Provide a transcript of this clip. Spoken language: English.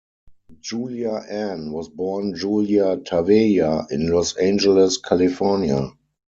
Julia Ann was born Julia Tavella in Los Angeles, California.